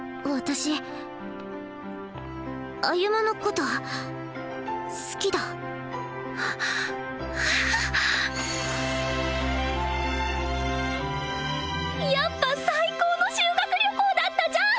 歩のこと好きだやっぱ最高の修学旅行だったじゃん！